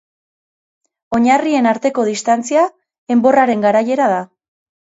Oinarrien arteko distantzia enborraren garaiera da.